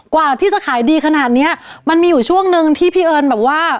กว่าที่จะขายดีขนาดเนี้ยมันมีอยู่ช่วงนึงที่พี่เอิญแบบว่า